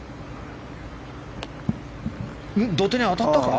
土手に当たったか？